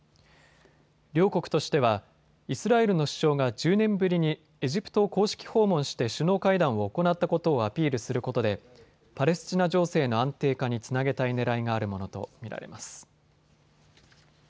両国としてはイスラエルの首相が１０年ぶりにエジプトを公式訪問して首脳会談を行ったことをアピールすることでパレスチナ情勢の安定化につなげたいねらいがあるものと見られます。